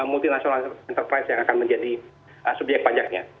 multinational enterprise yang akan menjadi subyek pajaknya